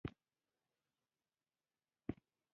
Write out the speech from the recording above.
ماشوم د خپلو ماشومانو لپاره سندره ویله.